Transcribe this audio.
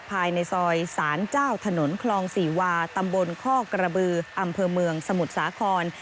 ภายในซอยสารเจ้าถนนคลองสี่วาตำบลข้อกระบืออำเภอเมืองสมุทรสาคร